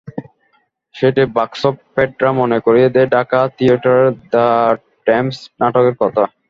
সেটে বাক্স-পেটরা মনে করিয়ে দেয় ঢাকা থিয়েটারের দ্য টেম্পেস্ট নাটকের কথা।